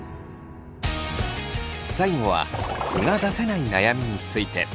最後は素が出せない悩みについて。